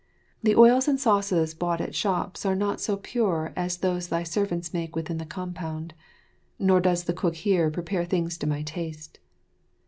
The oils and sauces bought at shops are not so pure as those thy servants make within the compound, nor does the cook here prepare things to my taste.